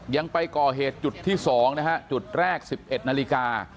ยังไปก่อเหตุจุดที่๒นะฮะจุดแรก๑๑นาฬิกา